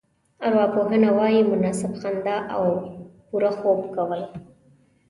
ارواپوهنه وايي مناسبه خندا او پوره خوب کول.